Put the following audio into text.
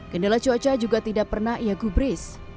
kendala cuaca juga tidak pernah ia gubris